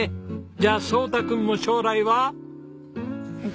じゃあ蒼大くんも将来は？